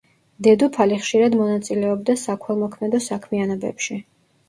დედოფალი ხშირად მონაწილეობდა საქველმოქმედო საქმიანობებში.